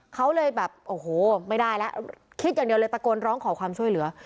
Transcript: เขาเลยแบบโอ้โหไม่ได้แล้วคิดอย่างเดียวเลยตะโกนร้องขอความช่วยเหลือ